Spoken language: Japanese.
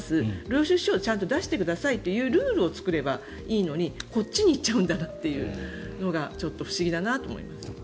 領収書を出してくださいというルールを作ればいいのにこっちに行っちゃうんだなというのがちょっと不思議だなと思います。